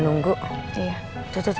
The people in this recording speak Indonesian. sangat menyentuh ya